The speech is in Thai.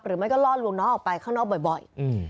หรือไม่ก็ล่อลูกน้องออกไปข้างนอกบ่อย